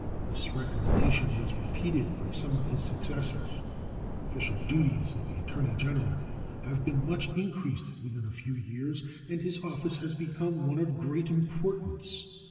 This recommendation was repeated by some of his successors. The official duties of the Attorney General have been much increased within a few years, and his office has become one of great importance.